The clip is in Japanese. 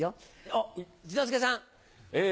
おっ一之輔さん。